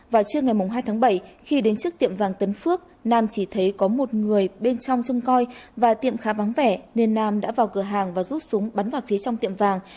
vào trưa ngày hai tháng bảy khi đến trước tiệm vàng tấn phước nam chỉ thấy có một người bên trong chung coi và tiệm khá vắng vẻ nên nam đã vào cửa hàng và rút súng bắn vào phía trong tiệm vàng